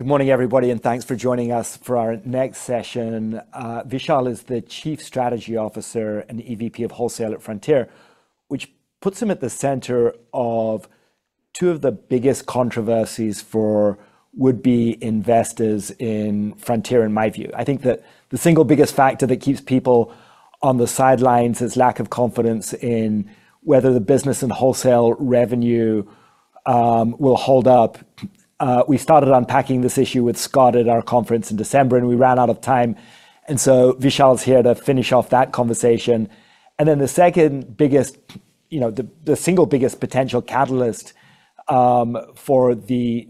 Good morning, everybody, and thanks for joining us for our next session. Vishal is the Chief Strategy Officer and EVP of Wholesale at Frontier, which puts him at the center of two of the biggest controversies for would-be investors in Frontier, in my view. I think that the single biggest factor that keeps people on the sidelines is lack of confidence in whether the business and wholesale revenue will hold up. We started unpacking this issue with Scott at our conference in December, and we ran out of time. And so Vishal is here to finish off that conversation. And then the second biggest, the single biggest potential catalyst for the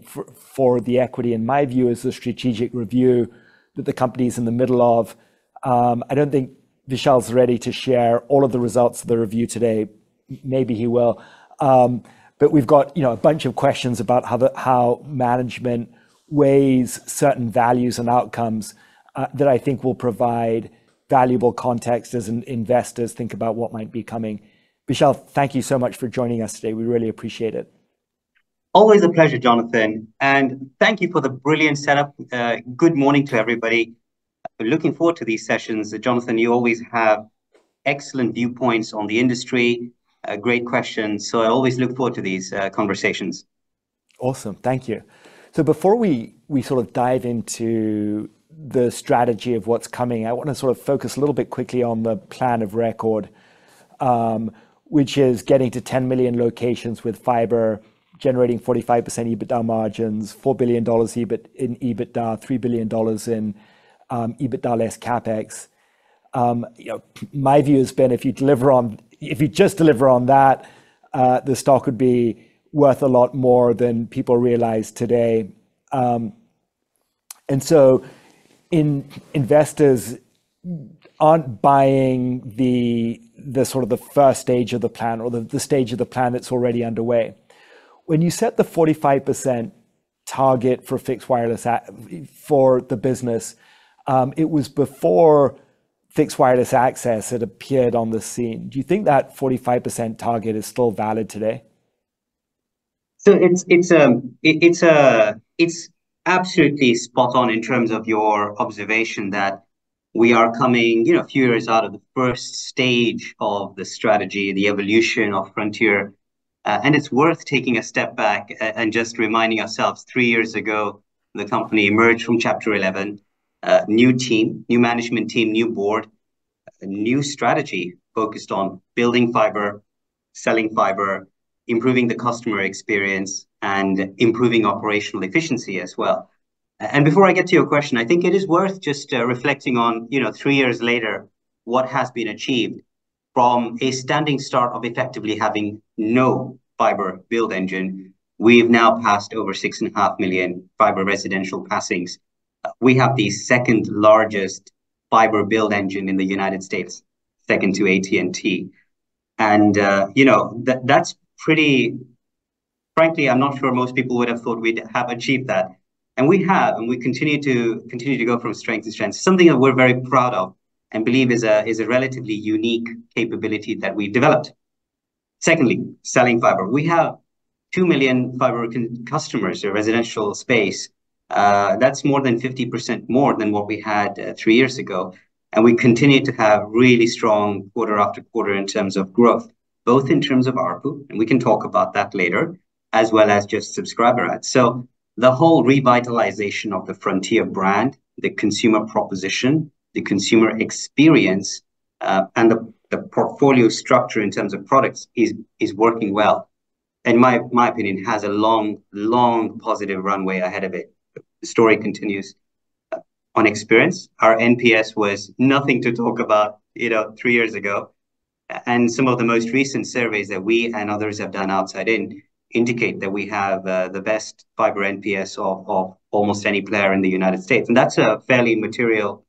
equity, in my view, is the strategic review that the company is in the middle of. I don't think Vishal is ready to share all of the results of the review today. Maybe he will. We've got a bunch of questions about how management weighs certain values and outcomes that I think will provide valuable context as investors think about what might be coming. Vishal, thank you so much for joining us today. We really appreciate it. Always a pleasure, Jonathan. Thank you for the brilliant setup. Good morning to everybody. Looking forward to these sessions. Jonathan, you always have excellent viewpoints on the industry, great questions. So I always look forward to these conversations. Awesome. Thank you. So before we sort of dive into the strategy of what's coming, I want to sort of focus a little bit quickly on the plan of record, which is getting to 10 million locations with fiber, generating 45% EBITDA margins, $4 billion in EBITDA, $3 billion in EBITDA less capex. My view has been if you just deliver on that, the stock would be worth a lot more than people realize today. And so investors aren't buying sort of the first stage of the plan or the stage of the plan that's already underway. When you set the 45% target for fixed wireless for the business, it was before fixed wireless access had appeared on the scene. Do you think that 45% target is still valid today? So it's absolutely spot on in terms of your observation that we are coming a few years out of the first stage of the strategy, the evolution of Frontier. And it's worth taking a step back and just reminding ourselves, three years ago, the company emerged from Chapter 11, new team, new management team, new board, new strategy focused on building fiber, selling fiber, improving the customer experience, and improving operational efficiency as well. And before I get to your question, I think it is worth just reflecting on, three years later, what has been achieved from a standing start of effectively having no fiber build engine. We have now passed over 6.5 million fiber residential passings. We have the second largest fiber build engine in the United States, second to AT&T. That's quite frankly, I'm not sure most people would have thought we'd have achieved that. And we have, and we continue to go from strength to strength, something that we're very proud of and believe is a relatively unique capability that we developed. Secondly, selling fiber. We have 2 million fiber customers in residential space. That's more than 50% more than what we had three years ago. And we continue to have really strong quarter after quarter in terms of growth, both in terms of ARPU, and we can talk about that later, as well as just subscriber adds. So the whole revitalization of the Frontier brand, the consumer proposition, the consumer experience, and the portfolio structure in terms of products is working well, in my opinion, has a long, long positive runway ahead of it. The story continues on experience. Our NPS was nothing to talk about three years ago. Some of the most recent surveys that we and others have done outside in indicate that we have the best fiber NPS of almost any player in the United States. That's a fairly material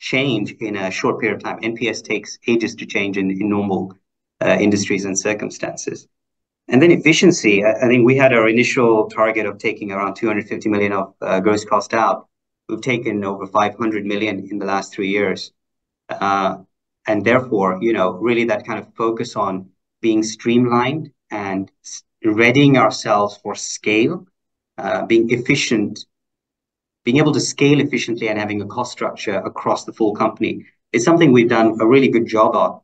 change in a short period of time. NPS takes ages to change in normal industries and circumstances. Then efficiency, I think we had our initial target of taking around $250 million of gross cost out. We've taken over $500 million in the last three years. Therefore, really, that kind of focus on being streamlined and readying ourselves for scale, being efficient, being able to scale efficiently and having a cost structure across the full company is something we've done a really good job of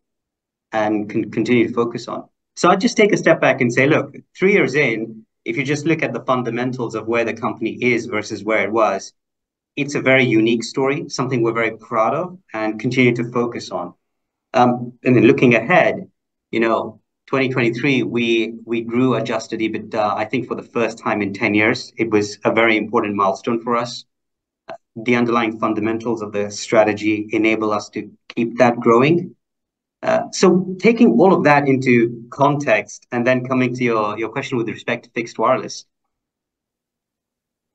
and continue to focus on. So I'd just take a step back and say, look, 3 years in, if you just look at the fundamentals of where the company is versus where it was, it's a very unique story, something we're very proud of and continue to focus on. And then looking ahead, 2023, we grew Adjusted EBITDA, I think, for the first time in 10 years. It was a very important milestone for us. The underlying fundamentals of the strategy enable us to keep that growing. So taking all of that into context and then coming to your question with respect to fixed wireless,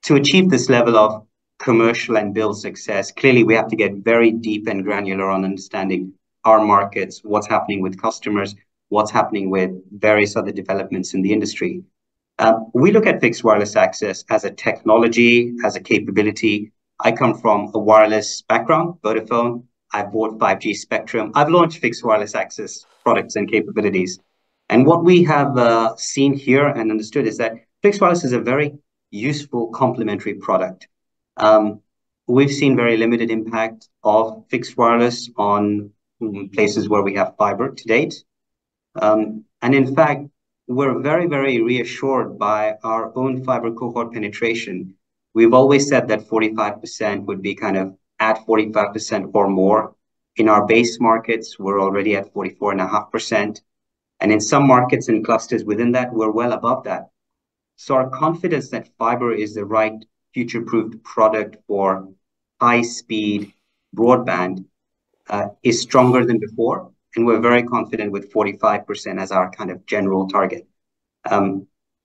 to achieve this level of commercial and build success, clearly, we have to get very deep and granular on understanding our markets, what's happening with customers, what's happening with various other developments in the industry. We look at fixed wireless access as a technology, as a capability. I come from a wireless background, Vodafone. I've bought 5G spectrum. I've launched fixed wireless access products and capabilities. What we have seen here and understood is that fixed wireless is a very useful complementary product. We've seen very limited impact of fixed wireless on places where we have fiber to date. In fact, we're very, very reassured by our own fiber cohort penetration. We've always said that 45% would be kind of at 45% or more. In our base markets, we're already at 44.5%. In some markets and clusters within that, we're well above that. Our confidence that fiber is the right future-proofed product for high-speed broadband is stronger than before. We're very confident with 45% as our kind of general target.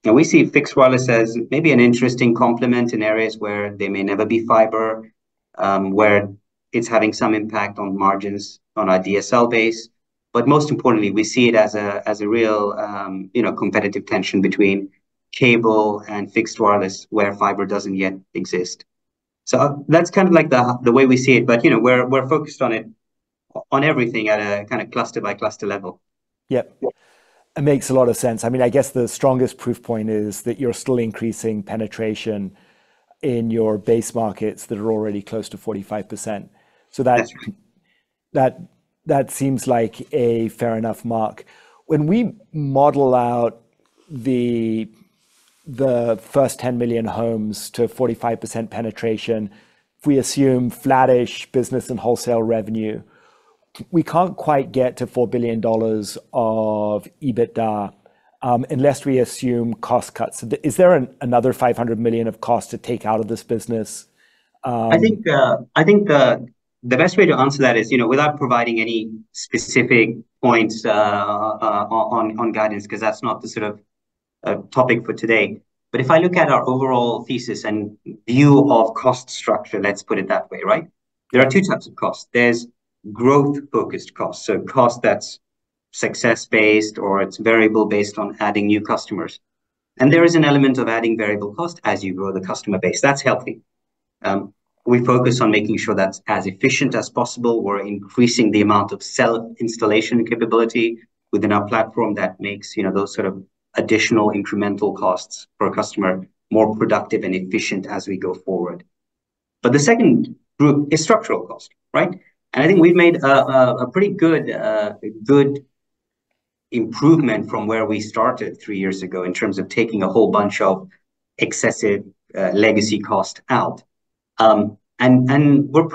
We see fixed wireless as maybe an interesting complement in areas where there may never be fiber, where it's having some impact on margins on our DSL base. But most importantly, we see it as a real competitive tension between cable and fixed wireless where fiber doesn't yet exist. That's kind of the way we see it. But we're focused on it on everything at a kind of cluster-by-cluster level. Yep. It makes a lot of sense. I mean, I guess the strongest proof point is that you're still increasing penetration in your base markets that are already close to 45%. So that seems like a fair enough mark. When we model out the first 10 million homes to 45% penetration, if we assume flattish business and wholesale revenue, we can't quite get to $4 billion of EBITDA unless we assume cost cuts. Is there another $500 million of cost to take out of this business? I think the best way to answer that is without providing any specific points on guidance, because that's not the sort of topic for today. But if I look at our overall thesis and view of cost structure, let's put it that way, right? There are two types of cost. There's growth-focused cost, so cost that's success-based or it's variable based on adding new customers. And there is an element of adding variable cost as you grow the customer base. That's healthy. We focus on making sure that's as efficient as possible. We're increasing the amount of self-installation capability within our platform that makes those sort of additional incremental costs for a customer more productive and efficient as we go forward. But the second group is structural cost, right? I think we've made a pretty good improvement from where we started three years ago in terms of taking a whole bunch of excessive legacy cost out. We're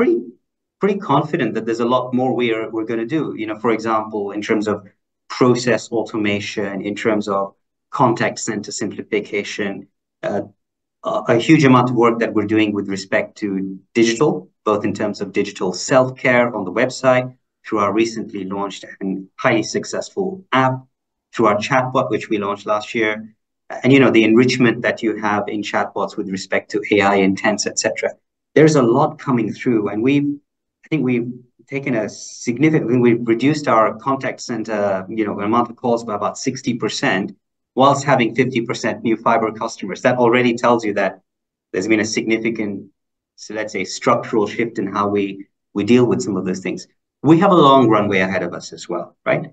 pretty confident that there's a lot more we're going to do, for example, in terms of process automation, in terms of contact center simplification, a huge amount of work that we're doing with respect to digital, both in terms of digital self-care on the website through our recently launched and highly successful app, through our chatbot, which we launched last year, and the enrichment that you have in chatbots with respect to AI intents, etc. There's a lot coming through. I think we've reduced our contact center amount of calls by about 60% while having 50% new fiber customers. That already tells you that there's been a significant, let's say, structural shift in how we deal with some of those things. We have a long runway ahead of us as well, right?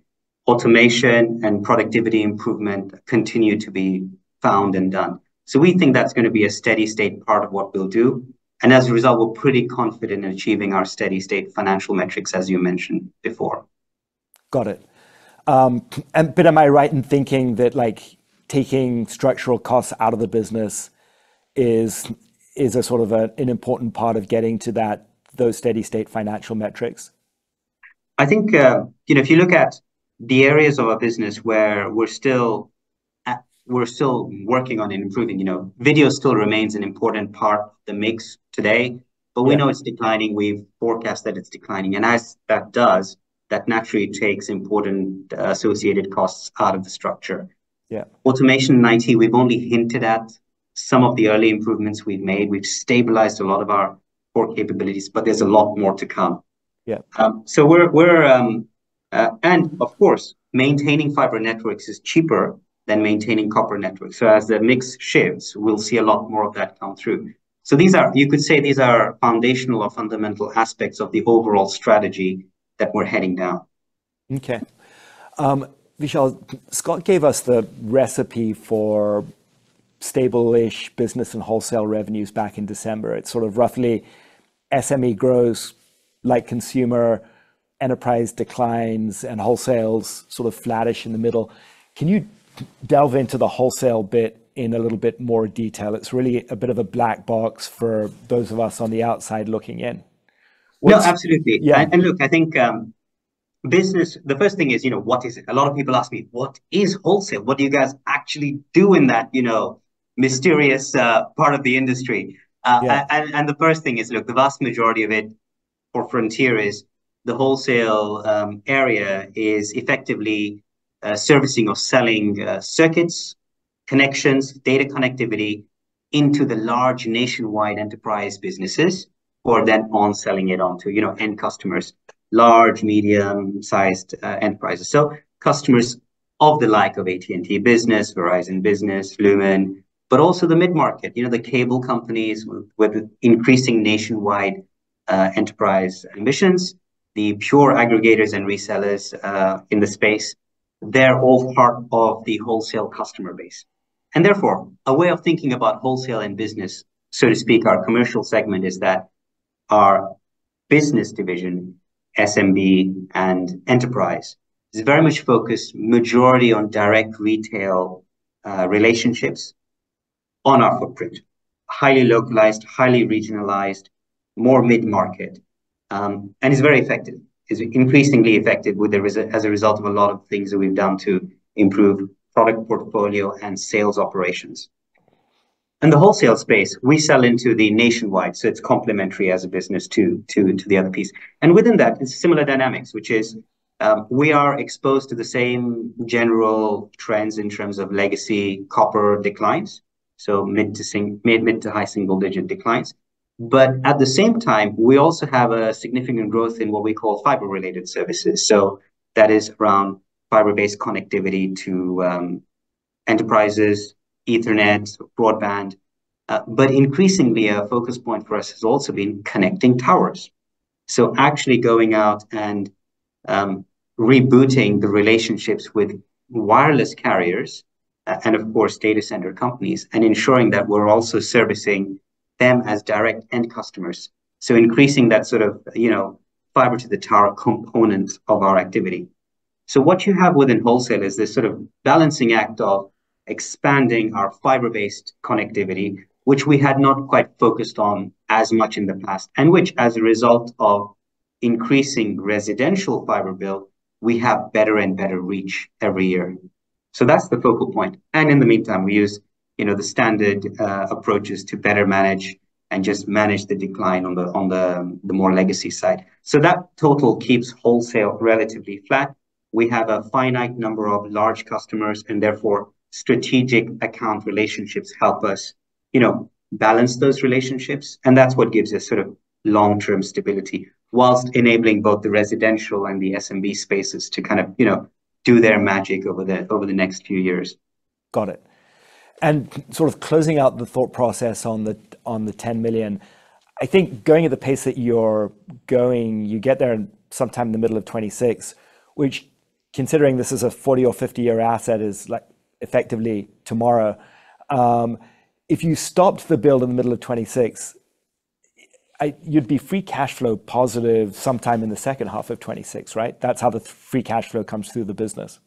Automation and productivity improvement continue to be found and done. We think that's going to be a steady-state part of what we'll do. As a result, we're pretty confident in achieving our steady-state financial metrics, as you mentioned before. Got it. But am I right in thinking that taking structural costs out of the business is a sort of an important part of getting to those steady-state financial metrics? I think if you look at the areas of our business where we're still working on improving, video still remains an important part of the mix today, but we know it's declining. We've forecast that it's declining. As that does, that naturally takes important associated costs out of the structure. Automation and IT, we've only hinted at some of the early improvements we've made. We've stabilized a lot of our core capabilities, but there's a lot more to come. Of course, maintaining fiber networks is cheaper than maintaining copper networks. As the mix shifts, we'll see a lot more of that come through. You could say these are foundational or fundamental aspects of the overall strategy that we're heading down. Okay. Vishal, Scott gave us the recipe for establishing business and wholesale revenues back in December. It's sort of roughly SME grows like consumer, enterprise declines, and wholesale's sort of flattish in the middle. Can you delve into the wholesale bit in a little bit more detail? It's really a bit of a black box for those of us on the outside looking in. No, absolutely. And look, I think business the first thing is, what is it? A lot of people ask me, what is wholesale? What do you guys actually do in that mysterious part of the industry? And the first thing is, look, the vast majority of it for Frontier is the wholesale area is effectively servicing or selling circuits, connections, data connectivity into the large nationwide enterprise businesses, or then on-selling it onto end customers, large medium-sized enterprises. So customers of the like of AT&T Business, Verizon Business, Lumen, but also the mid-market, the cable companies with increasing nationwide enterprise ambitions, the pure aggregators and resellers in the space, they're all part of the wholesale customer base. And therefore, a way of thinking about wholesale and business, so to speak, our commercial segment is that our business division, SMB, and enterprise is very much focused majority on direct retail relationships on our footprint, highly localized, highly regionalized, more mid-market, and is very effective, is increasingly effective as a result of a lot of things that we've done to improve product portfolio and sales operations. And the wholesale space, we sell into the nationwide, so it's complementary as a business to the other piece. And within that, it's similar dynamics, which is we are exposed to the same general trends in terms of legacy copper declines, so mid to high single-digit declines. But at the same time, we also have a significant growth in what we call fiber-related services. So that is around fiber-based connectivity to enterprises, Ethernet, broadband. But increasingly, a focus point for us has also been connecting towers. So actually going out and rebooting the relationships with wireless carriers and, of course, data center companies and ensuring that we're also servicing them as direct end customers. So increasing that sort of fiber-to-the-tower component of our activity. So what you have within wholesale is this sort of balancing act of expanding our fiber-based connectivity, which we had not quite focused on as much in the past and which, as a result of increasing residential fiber build, we have better and better reach every year. So that's the focal point. And in the meantime, we use the standard approaches to better manage and just manage the decline on the more legacy side. So that total keeps wholesale relatively flat. We have a finite number of large customers, and therefore, strategic account relationships help us balance those relationships. That's what gives us sort of long-term stability while enabling both the residential and the SMB spaces to kind of do their magic over the next few years. Got it. And sort of closing out the thought process on the 10 million, I think going at the pace that you're going, you get there sometime in the middle of 2026, which, considering this is a 40- or 50-year asset, is effectively tomorrow. If you stopped the build in the middle of 2026, you'd be free cash flow positive sometime in the second half of 2026, right? That's how the free cash flow comes through the business.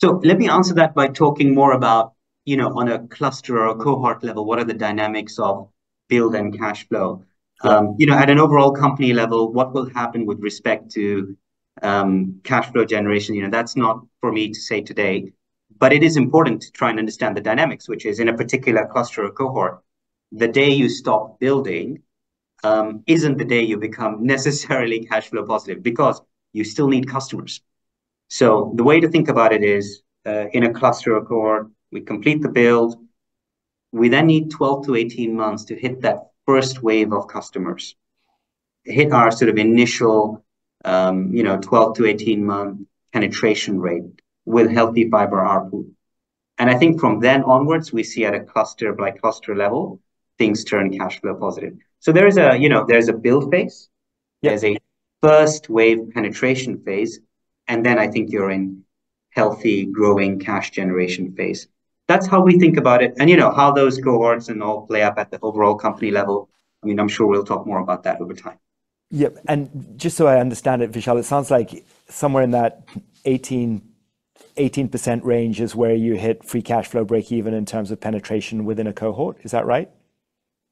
Let me answer that by talking more about, on a cluster or a cohort level, what are the dynamics of build and cash flow. At an overall company level, what will happen with respect to cash flow generation? That's not for me to say today, but it is important to try and understand the dynamics, which is, in a particular cluster or cohort, the day you stop building isn't the day you become necessarily cash flow positive because you still need customers. So the way to think about it is, in a cluster or cohort, we complete the build. We then need 12-18 months to hit that first wave of customers, hit our sort of initial 12-18-month penetration rate with healthy fiber output. And I think from then onwards, we see at a cluster-by-cluster level, things turn cash flow positive. So there's a build phase. There's a first wave penetration phase. And then I think you're in healthy, growing cash generation phase. That's how we think about it and how those cohorts and all play up at the overall company level. I mean, I'm sure we'll talk more about that over time. Yep. And just so I understand it, Vishal, it sounds like somewhere in that 18% range is where you hit free cash flow breakeven in terms of penetration within a cohort. Is that right?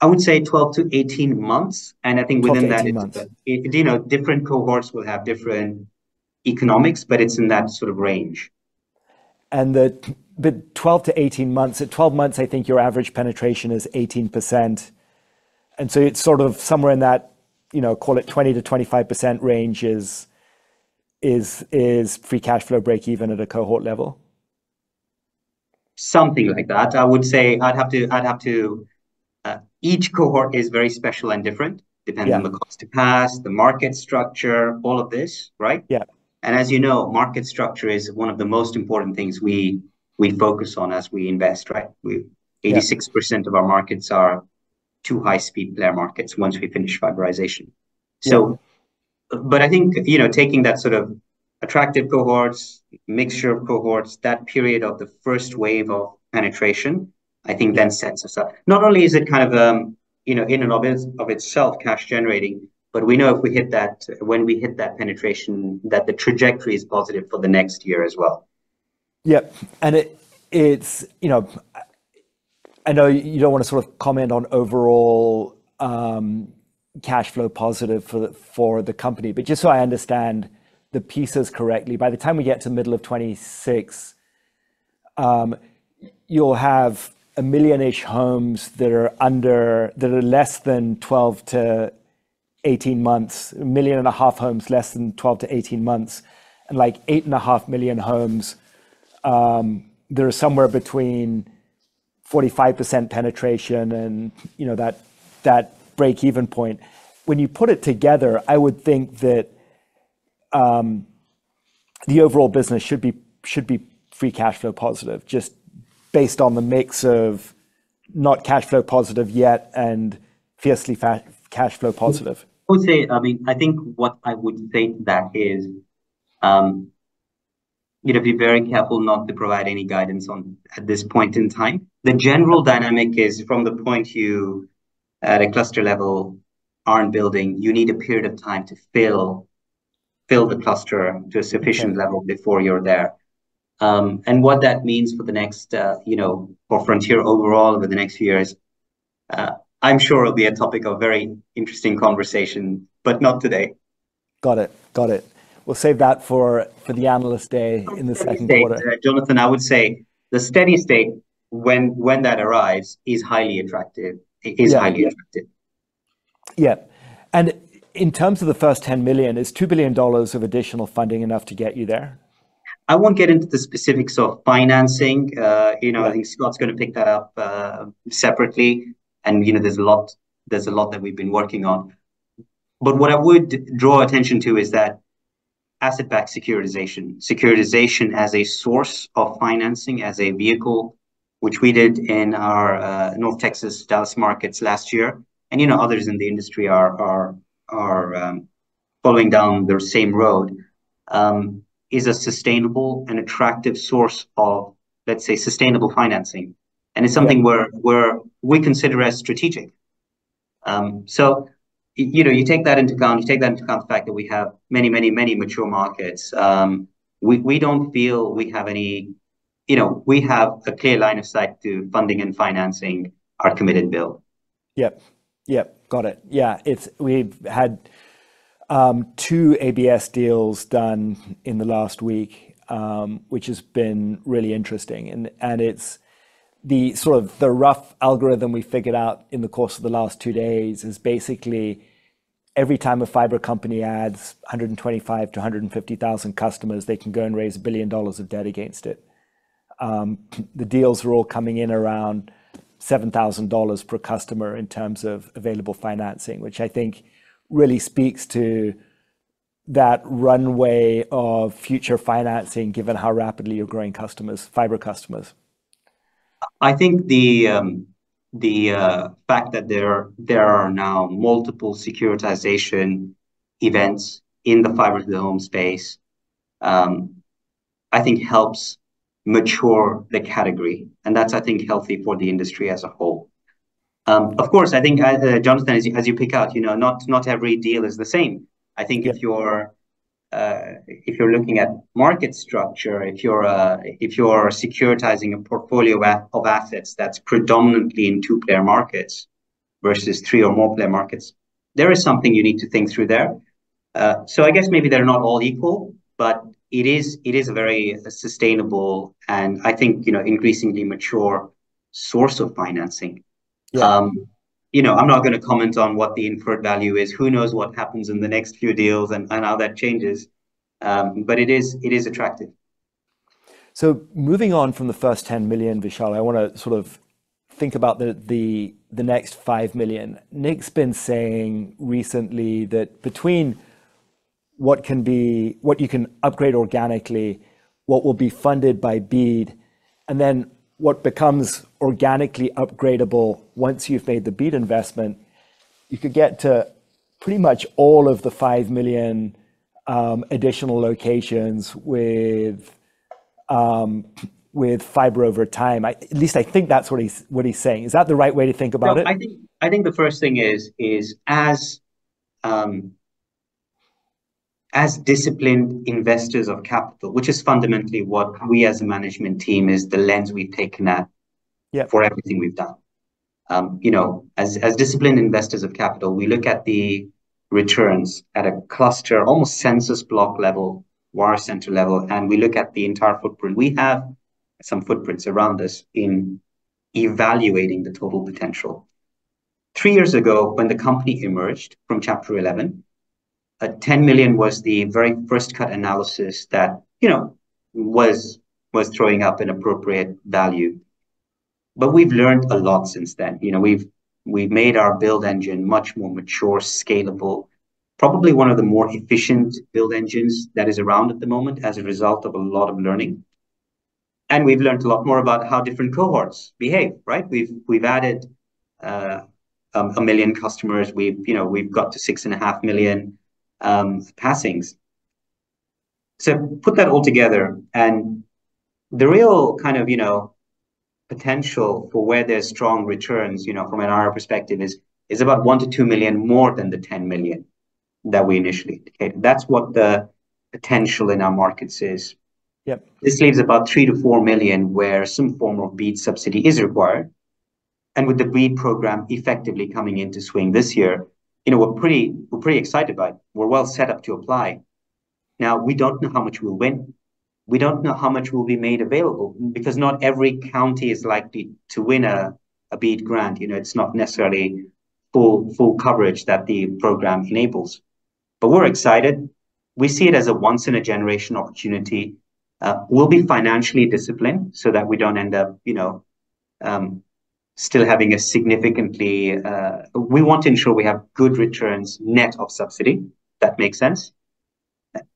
I would say 12-18 months. I think within that, different cohorts will have different economics, but it's in that sort of range. The 12-18 months, at 12 months, I think your average penetration is 18%. And so it's sort of somewhere in that, call it 20%-25% range, is free cash flow breakeven at a cohort level. Something like that, I would say. I'd have to each cohort is very special and different depending on the cost to pass, the market structure, all of this, right? And as you know, market structure is one of the most important things we focus on as we invest, right? 86% of our markets are two high-speed player markets once we finish fiberization. But I think taking that sort of attractive cohorts, mixture of cohorts, that period of the first wave of penetration, I think then sets us up. Not only is it kind of in and of itself cash generating, but we know if we hit that when we hit that penetration, that the trajectory is positive for the next year as well. Yep. And I know you don't want to sort of comment on overall cash flow positive for the company, but just so I understand the pieces correctly, by the time we get to the middle of 2026, you'll have 1 million-ish homes that are less than 12-18 months, 1.5 million homes less than 12-18 months, and like 8.5 million homes, there are somewhere between 45% penetration and that breakeven point. When you put it together, I would think that the overall business should be free cash flow positive just based on the mix of not cash flow positive yet and fiercely cash flow positive. I would say, I mean, I think what I would state that is, be very careful not to provide any guidance at this point in time. The general dynamic is, from the point you, at a cluster level, aren't building, you need a period of time to fill the cluster to a sufficient level before you're there. And what that means for Frontier overall over the next few years, I'm sure it'll be a topic of very interesting conversation, but not today. Got it. Got it. We'll save that for the analyst day in the second quarter. Jonathan, I would say the steady state, when that arrives, is highly attractive. Yeah. And in terms of the first 10 million, is $2 billion of additional funding enough to get you there? I won't get into the specifics of financing. I think Scott's going to pick that up separately. There's a lot that we've been working on. But what I would draw attention to is that asset-backed securitization, securitization as a source of financing, as a vehicle, which we did in our North Texas, Dallas markets last year, and others in the industry are following down the same road, is a sustainable and attractive source of, let's say, sustainable financing. It's something where we consider as strategic. You take that into account. You take that into account the fact that we have many, many, many mature markets. We don't feel we have any; we have a clear line of sight to funding and financing our committed build. Yep. Yep. Got it. Yeah. We've had two ABS deals done in the last week, which has been really interesting. And the sort of rough algorithm we figured out in the course of the last two days is basically every time a fiber company adds 125-150,000 customers, they can go and raise $1 billion of debt against it. The deals are all coming in around $7,000 per customer in terms of available financing, which I think really speaks to that runway of future financing, given how rapidly you're growing customers, fiber customers. I think the fact that there are now multiple securitization events in the fiber to the home space, I think, helps mature the category. And that's, I think, healthy for the industry as a whole. Of course, I think, Jonathan, as you pick out, not every deal is the same. I think if you're looking at market structure, if you're securitizing a portfolio of assets that's predominantly in two-player markets versus three or more player markets, there is something you need to think through there. So I guess maybe they're not all equal, but it is a very sustainable and, I think, increasingly mature source of financing. I'm not going to comment on what the inferred value is. Who knows what happens in the next few deals and how that changes? But it is attractive. So moving on from the first 10 million, Vishal, I want to sort of think about the next 5 million. Nick's been saying recently that between what you can upgrade organically, what will be funded by BEAD, and then what becomes organically upgradable once you've made the BEAD investment, you could get to pretty much all of the 5 million additional locations with fiber over time. At least I think that's what he's saying. Is that the right way to think about it? I think the first thing is, as disciplined investors of capital, which is fundamentally what we, as a management team, is the lens we've taken at for everything we've done. As disciplined investors of capital, we look at the returns at a cluster, almost census block level, wire center level, and we look at the entire footprint. We have some footprints around this in evaluating the total potential. Three years ago, when the company emerged from Chapter 11, a $10 million was the very first cut analysis that was throwing up an appropriate value. But we've learned a lot since then. We've made our build engine much more mature, scalable, probably one of the more efficient build engines that is around at the moment as a result of a lot of learning. And we've learned a lot more about how different cohorts behave, right? We've added 1 million customers. We've got to 6.5 million passings. So put that all together. And the real kind of potential for where there's strong returns, from an IRR perspective, is about 1-2 million more than the 10 million that we initially indicated. That's what the potential in our markets is. This leaves about 3-4 million where some form of BEAD subsidy is required. And with the BEAD program effectively coming into swing this year, we're pretty excited by it. We're well set up to apply. Now, we don't know how much we'll win. We don't know how much will be made available because not every county is likely to win a BEAD grant. It's not necessarily full coverage that the program enables. But we're excited. We see it as a once-in-a-generation opportunity. We'll be financially disciplined so that we don't end up still having a significantly. We want to ensure we have good returns net of subsidy, if that makes sense,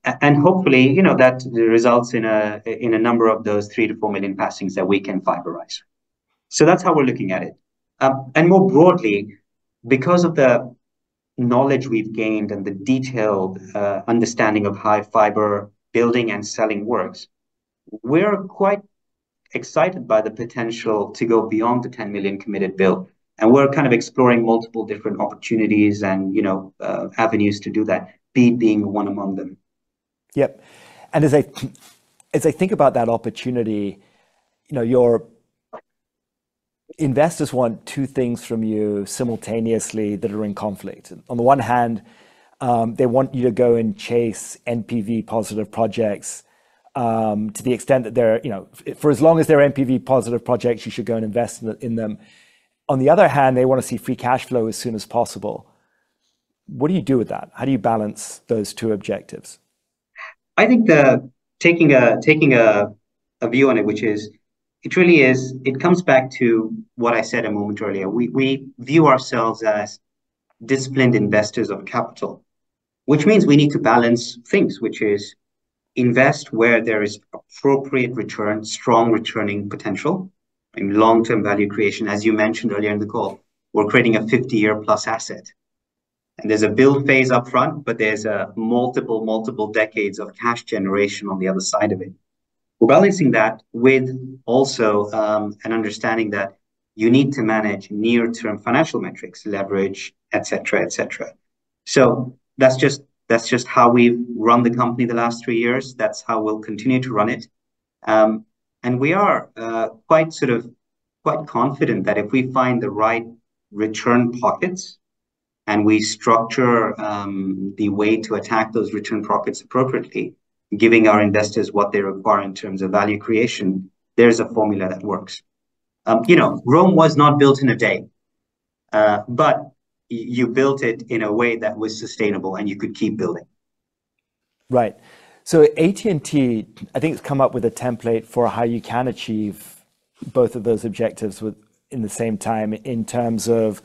and hopefully that results in a number of those 3-4 million passings that we can fiberize. That's how we're looking at it. More broadly, because of the knowledge we've gained and the detailed understanding of how fiber building and selling works, we're quite excited by the potential to go beyond the 10 million committed build. We're kind of exploring multiple different opportunities and avenues to do that, BEAD being one among them. Yep. And as I think about that opportunity, your investors want two things from you simultaneously that are in conflict. On the one hand, they want you to go and chase NPV-positive projects to the extent that they're for as long as they're NPV-positive projects, you should go and invest in them. On the other hand, they want to see free cash flow as soon as possible. What do you do with that? How do you balance those two objectives? I think taking a view on it, which is, it really is, it comes back to what I said a moment earlier. We view ourselves as disciplined investors of capital, which means we need to balance things, which is invest where there is appropriate return, strong returning potential, long-term value creation. As you mentioned earlier in the call, we're creating a 50-year-plus asset. And there's a build phase upfront, but there's multiple, multiple decades of cash generation on the other side of it, balancing that with also an understanding that you need to manage near-term financial metrics, leverage, etc., etc. So that's just how we've run the company the last three years. That's how we'll continue to run it. We are quite sort of quite confident that if we find the right return pockets and we structure the way to attack those return pockets appropriately, giving our investors what they require in terms of value creation, there's a formula that works. Rome was not built in a day, but you built it in a way that was sustainable and you could keep building. Right. So AT&T, I think, has come up with a template for how you can achieve both of those objectives in the same time in terms of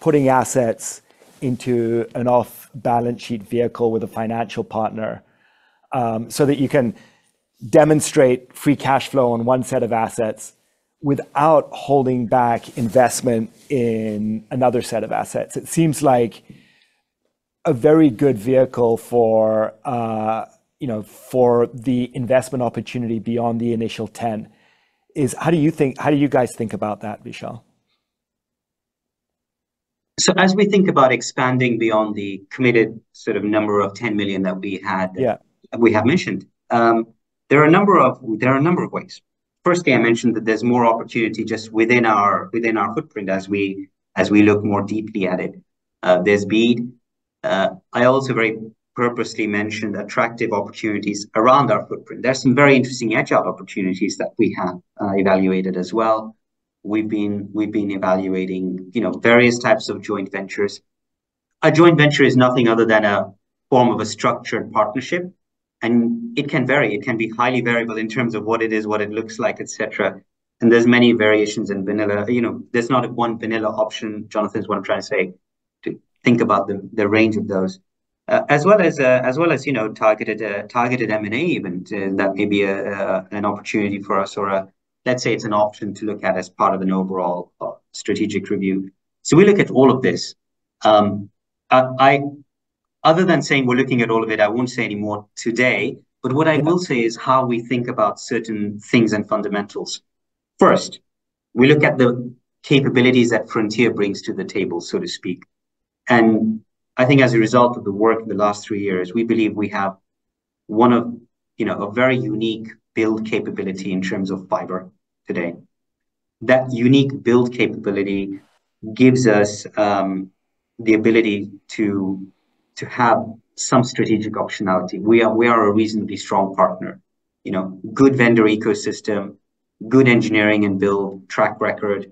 putting assets into an off-balance sheet vehicle with a financial partner so that you can demonstrate free cash flow on one set of assets without holding back investment in another set of assets. It seems like a very good vehicle for the investment opportunity beyond the initial 10 is. How do you guys think about that, Vishal? So as we think about expanding beyond the committed sort of number of 10 million that we had that we have mentioned, there are a number of ways. Firstly, I mentioned that there's more opportunity just within our footprint as we look more deeply at it. There's BEAD. I also very purposely mentioned attractive opportunities around our footprint. There's some very interesting edge-out opportunities that we have evaluated as well. We've been evaluating various types of joint ventures. A joint venture is nothing other than a form of a structured partnership, and it can vary. It can be highly variable in terms of what it is, what it looks like, etc. And there's many variations in vanilla. There's not one vanilla option. Jonathan's what I'm trying to say, to think about the range of those, as well as targeted M&A events that may be an opportunity for us or a, let's say, it's an option to look at as part of an overall strategic review. So we look at all of this. Other than saying we're looking at all of it, I won't say any more today. But what I will say is how we think about certain things and fundamentals. First, we look at the capabilities that Frontier brings to the table, so to speak. And I think as a result of the work in the last three years, we believe we have one of a very unique build capability in terms of fiber today. That unique build capability gives us the ability to have some strategic optionality. We are a reasonably strong partner, good vendor ecosystem, good engineering and build track record,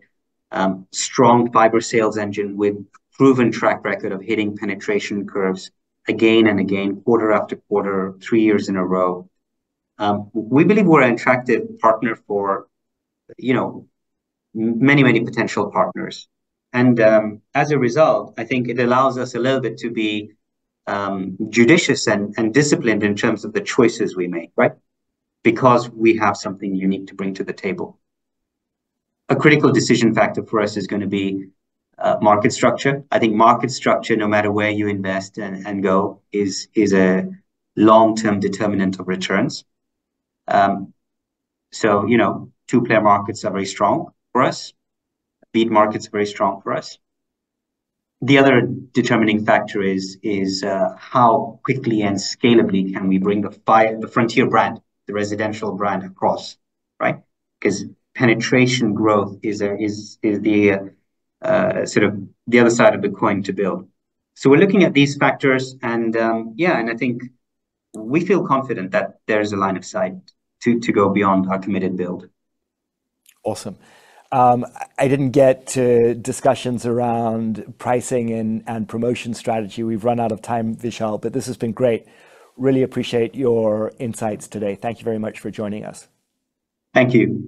strong fiber sales engine with proven track record of hitting penetration curves again and again, quarter after quarter, three years in a row. We believe we're an attractive partner for many, many potential partners. And as a result, I think it allows us a little bit to be judicious and disciplined in terms of the choices we make, right, because we have something unique to bring to the table. A critical decision factor for us is going to be market structure. I think market structure, no matter where you invest and go, is a long-term determinant of returns. So two-player markets are very strong for us. BEAD markets are very strong for us. The other determining factor is how quickly and scalably can we bring the Frontier brand, the residential brand, across, right, because penetration growth is sort of the other side of the coin to build. So we're looking at these factors. And yeah, and I think we feel confident that there's a line of sight to go beyond our committed build. Awesome. I didn't get to discussions around pricing and promotion strategy. We've run out of time, Vishal, but this has been great. Really appreciate your insights today. Thank you very much for joining us. Thank you.